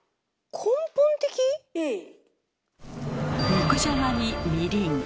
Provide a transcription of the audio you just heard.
肉じゃがにみりん。